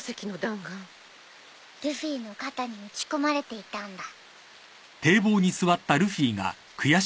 ルフィの肩に撃ち込まれていたんだ。